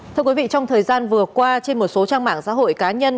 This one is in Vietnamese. thưa quý vị trong thời gian vừa qua trên một số trang mạng xã hội cá nhân